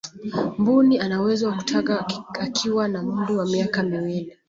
mbuni anawezo kutaga akiwa na umri wa miaka miwili